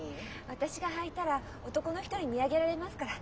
私が履いたら男の人に見上げられますから。